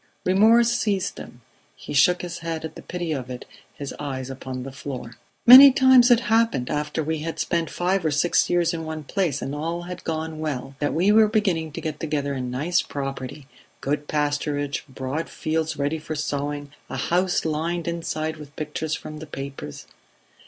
Remorse seized him; he shook his head at the pity of it, his eyes upon the floor. "Many times it happened, after we had spent five or six years in one place and all had gone well, that we were beginning to get together a nice property good pasturage, broad fields ready for sowing, a house lined inside with pictures from the papers